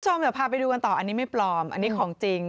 คุณผู้ชมเดี๋ยวพาไปดูกันต่ออันนี้ไม่ปลอมอันนี้ของจริง